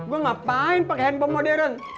gua ngapain pake handphone modern